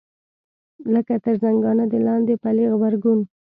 لکه تر زنګانه د لاندې پلې غبرګون.